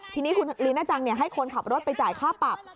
ทีนี้คุณลีน่าจังให้คนขับรถไปจ่ายค่าปรับ